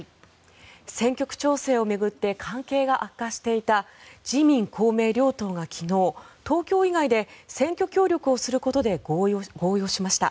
選挙区調整を巡って関係が悪化していた自民・公明両党が昨日東京以外で選挙協力をすることで合意しました。